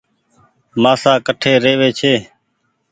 مآسآ ڪٺي روي ڇي۔